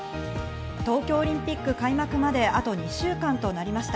東京オリンピック開幕まであと２週間となりました。